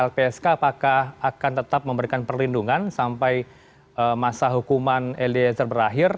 lpsk apakah akan tetap memberikan perlindungan sampai masa hukuman eliezer berakhir